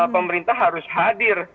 pemerintah harus hadir